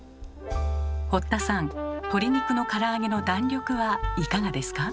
堀田さん鶏肉のから揚げの弾力はいかがですか？